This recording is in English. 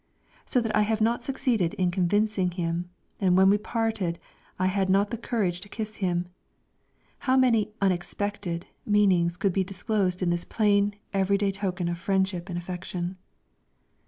So that I have not succeeded in convincing him, and when we parted I had not the courage to kiss him: how many unexpected meanings could be disclosed in this plain, everyday token of friendship and affection?